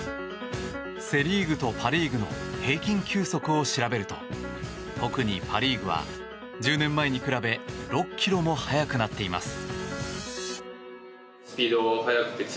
セ・リーグとパ・リーグの平均球速を調べると特にパ・リーグは１０年前に比べ６キロも速くなっています。